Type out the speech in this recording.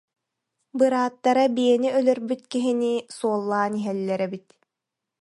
Бырааттара биэни өлөрбүт киһини суоллаан иһэллэр эбит